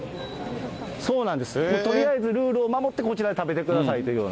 とりあえずルールを守ってこちらで食べてくださいというような。